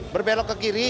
berbelok ke kiri